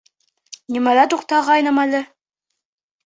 Нимәлә туҡталғайным әле?